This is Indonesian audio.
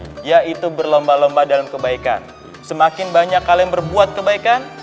baik yaitu berlomba lomba dalam kebaikan semakin banyak kalian berbuat kebaikan